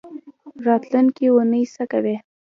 راتلونکۍ اونۍ څه کوئ؟